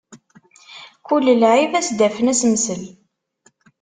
Kul lɛib ad as-d-afen asemsel.